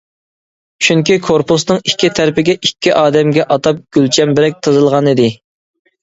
چۈنكى كورپۇسنىڭ ئىككى تەرىپىگە ئىككى ئادەمگە ئاتاپ گۈلچەمبىرەك تىزىلغانىدى.